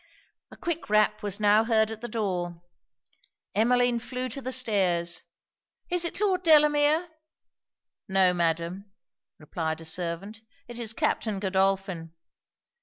A quick rap was now heard at the door. Emmeline flew to the stairs 'Is it Lord Delamere?' 'No, Madam,' replied a servant, 'it is Captain Godolphin.'